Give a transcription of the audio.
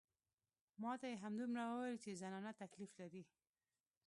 ما ته يې همدومره وويل چې زنانه تکليف لري.